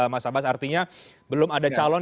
mas abas artinya belum ada calon